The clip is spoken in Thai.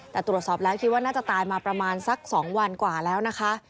แต่ตรวจสอบแล้วคิดว่าน่าจะตายมาประมาณสัก๒วันกว่าแล้วนะคะ